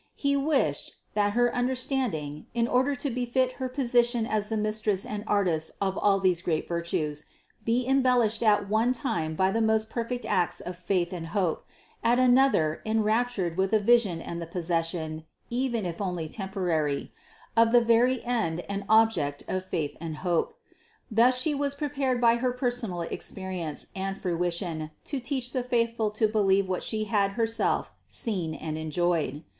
He wished, that her understanding, in order to befit her position as the Mistress and Artist of these great virtues be embellished at one time by the most perfect acts of faith and hope, at another enraptured with the vision and the possession (even if only temporary), of the very End and Object of faith and hope. Thus She was prepared by her personal experience and fruition to teach the faithful to believe what She had herself seen and enjoyed.